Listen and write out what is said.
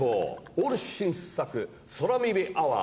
ＡＬＬ新作空耳アワー